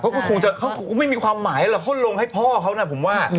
ก็คงไม่มีความหมายหรอกค้นลงให้พ่อเขานะผมว่า